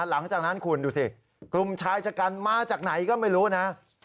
หลังจากนั้นคุณดูสิกลุ่มชายชะกันมาจากไหนก็ไม่รู้นะ